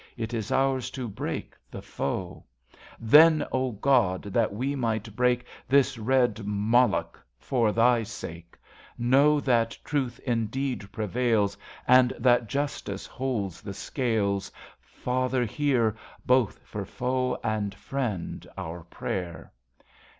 It is ours to break the foe. Then, O God ! that we might break This red Moloch for Thy sake ; 80 INTERCESSION Know that Truth indeed prevails, And that Justice holds the scales. Father, hear. Both for foe and friend, our prayer.